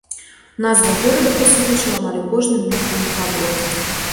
Назва горада прысутнічала амаль у кожным мірным дагаворы.